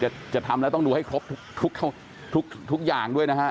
จะจะทำแล้วต้องดูให้ครบทุกทุกอย่างด้วยนะฮะ